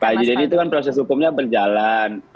pak haji deni itu kan proses hukumnya berjalan